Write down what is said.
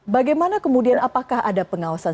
bagaimana kemudian apakah ada pengawasan